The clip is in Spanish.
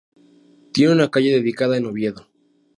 Tiene una calle dedicada en Oviedo.